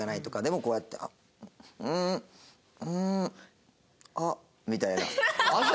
こうやって「んんあっ」みたいな。